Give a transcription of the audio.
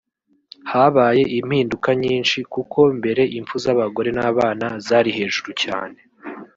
Habaye impinduka nyinshi kuko mbere impfu z’abagore n’abana zari hejuru cyane